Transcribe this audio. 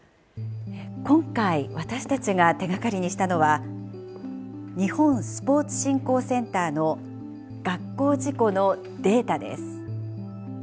今回私たちが手がかりにしたのは日本スポーツ振興センターの学校事故のデータです。